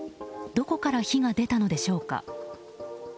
どこから火が出たのでしょうか。